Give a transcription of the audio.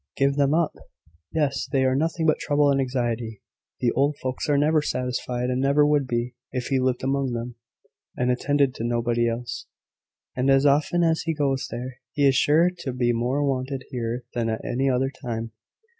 "Give them up!" "Yes: they are nothing but trouble and anxiety. The old folks are never satisfied, and never would be, if he lived among them, and attended to nobody else. And as often as he goes there, he is sure to be more wanted here than at any other time.